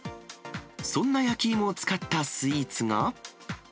そんな焼き芋を使ったスイーツが。